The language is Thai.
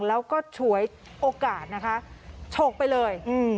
แล้วก็ฉวยโอกาสนะคะฉกไปเลย